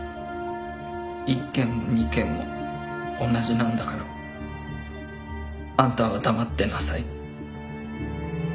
「１件も２件も同じなんだからあんたは黙ってなさい」。